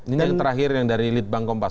ini yang terakhir yang dari litbang kompas